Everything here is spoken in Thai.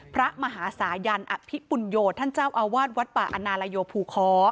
พระมหาสายันอภิปุญโยท่านเจ้าอาวาสวัดป่าอนาลโยภูค้อ